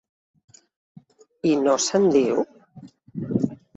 I no se'n diu?